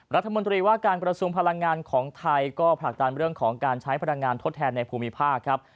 รัฐมนตรีว่าการกระทรวงพลังงานของไทยก็ผลักดันเรื่องของการใช้พลังงานทดแทนในภูมิภาคครับ